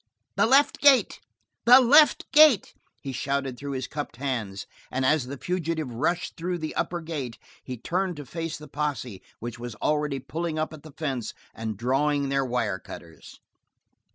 "The left gate! The left gate!" he shouted through his cupped hands, and as the fugitive rushed through the upper gate he turned to face the posse which was already pulling up at the fence and drawing their wirecutters.